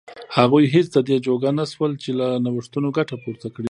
هغوی هېڅ د دې جوګه نه شول چې له نوښتونو ګټه پورته کړي.